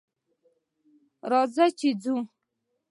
راځه چې ځو